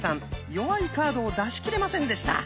弱いカードを出し切れませんでした。